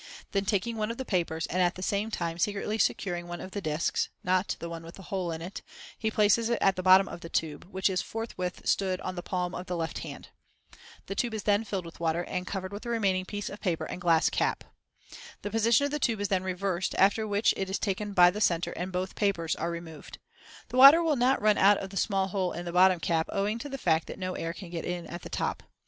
Then taking one of the papers, and at the same time secretly securing one of the discs (not the one with the hole in it), he places it at the bottom of the tube, which is forthwith stood on the palm of the left hand. The tube is then filled with water and covered with the remaining piece of paper and glass cap. The position of the tube is then reversed, after which it is taken by the center and both papers are removed. The water will not run out of the small hole in the bottom cap owing to the fact that no air can get in at the top.